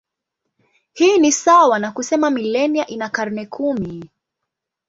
Hii ni sawa na kusema milenia ina karne kumi.